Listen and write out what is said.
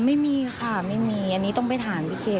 ไม่มีค่ะไม่มีอันนี้ต้องไปถามพี่เค